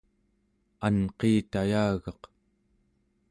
anqiitayagaq